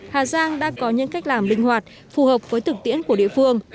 hà giang đã có những cách làm linh hoạt phù hợp với thực tiễn của địa phương